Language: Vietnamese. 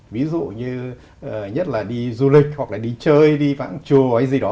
ví dụ như nhất là đi du lịch hoặc là đi chơi đi vãng chu hay gì đó